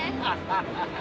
ハハハハ！